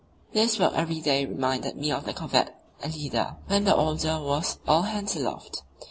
This work every day reminded me of the corvette Ellida, when the order was "all hands aloft."